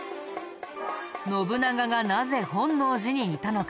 信長がなぜ本能寺にいたのか。